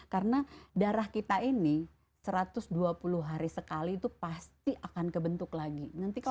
karena darah kita ini satu ratus dua puluh hari sekali itu pasti akan kebentuk lagi